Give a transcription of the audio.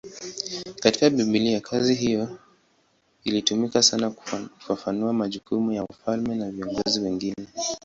Katika Biblia kazi hiyo ilitumika sana kufafanua majukumu ya wafalme na viongozi wengine.